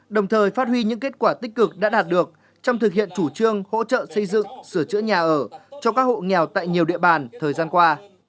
đồng thời phát huy những kết quả tích cực đã đạt được trong thực hiện chủ trương hỗ trợ xây dựng sửa chữa nhà ở cho các hộ nghèo tại nhiều địa bàn thời gian qua